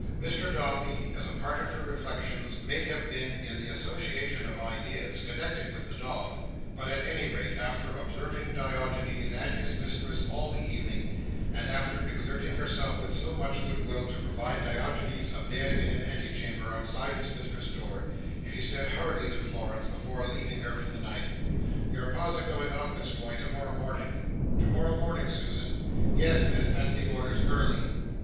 Mr Dombey, as a part of her reflections, may have been, in the association of ideas, connected with the dog; but, at any rate, after observing Diogenes and his mistress all the evening, and after exerting herself with much good will to provide Diogenes a bed in an ante chamber outside his mistress's door, she said hurriedly to Florence, before leaving her for the night: "Your Pa's a going off, Miss Floy, tomorrow morning." "To morrow morning, Susan?" "Yes, Miss; that's the orders. Early."